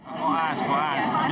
koas koas koasnya di sini